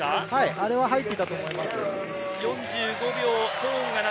あれは入っていたと思います。